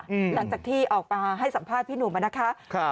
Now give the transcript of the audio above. หลังจากที่ออกมาให้สัมภาษณ์พี่หนุ่มอ่ะนะคะครับ